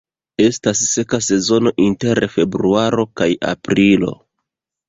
Estas seka sezono inter februaro kaj aprilo.